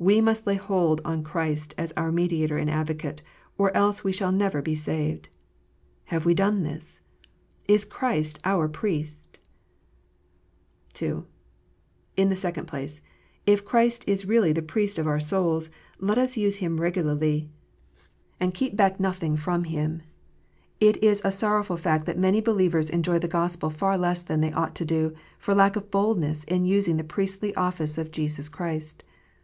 We must lay hold on Christ as our Mediator and Advocate, or else we shall never be saved. Have we done this? Is Christ our Priest ? (2) In the second place, if Christ is really the Priest of our souls, let us use Him regularly, and keep back nothing from THE PRIEST. 257 Him. It is a sorrowful fact that many believers enjoy the Gospel far less than they ought to do, for lack of boldness in using the priestly office of Jesus Christ.